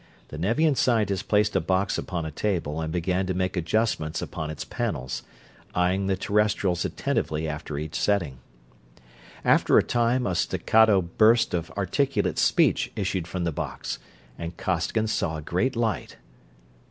The Nevian scientist placed a box upon a table and began to make adjustments upon its panels, eyeing the Terrestrials attentively after each setting. After a time a staccato burst of articulate speech issued from the box, and Costigan saw a great light.